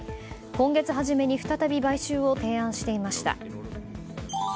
今月初めに再び買収を提案していました。